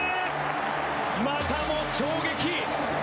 またも衝撃。